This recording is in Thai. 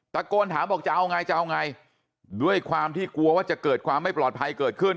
ตะโกนถามบอกจะเอาไงจะเอาไงด้วยความที่กลัวว่าจะเกิดความไม่ปลอดภัยเกิดขึ้น